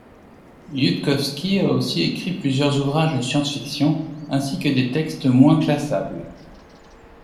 Yudkowsky a aussi écrit plusieurs ouvrages de science-fiction ainsi que des textes moins classables.